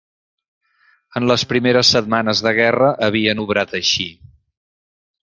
En les primeres setmanes de guerra havien obrat així